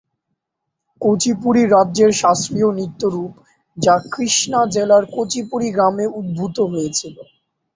কুচিপুড়ি রাজ্যের শাস্ত্রীয় নৃত্য রূপ, যা কৃষ্ণা জেলার কুচিপুড়ি গ্রামে উদ্ভূত হয়েছিল।